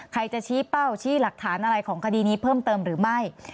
ใครจะชี้เป้าชี้หลักฐานอะไรของคดีนี้เพิ่มเติมหรือไม่